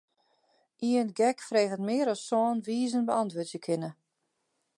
Ien gek freget mear as sân wizen beäntwurdzje kinne.